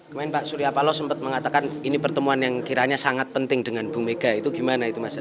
kemarin pak surya paloh sempat mengatakan ini pertemuan yang kiranya sangat penting dengan bu mega itu gimana itu mas